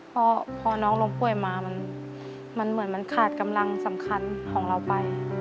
พอน้องล้มป่วยมามันเหมือนมันขาดกำลังสำคัญของเราไป